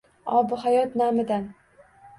Obihayot namidan.